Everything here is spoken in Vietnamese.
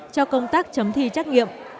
cho công tác chấm thi trách nhiệm